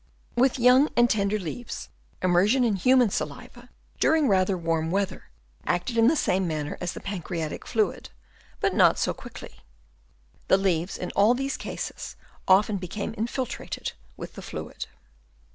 With young and tender leaves immersion in human saliva during rather warm weather, acted in the same manner as the pancreatic fluid, but not so quickly. The leaves in all these cases often became infiltrated with the fluid.